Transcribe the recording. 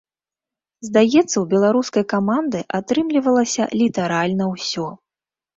Здаецца, у беларускай каманды атрымлівалася літаральна ўсё.